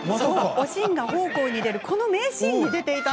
おしんが奉公に出るこの名シーンに出ていました。